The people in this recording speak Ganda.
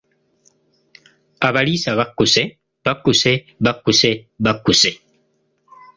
Abaliisa bakkuse, bakkuse bakkuse bakkuse.